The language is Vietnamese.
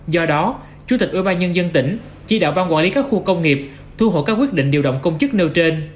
do đó chủ tịch ủy ban nhân dân tỉnh chi đạo bang quản lý các khu công nghiệp thu hộ các quyết định điều động công chức nêu trên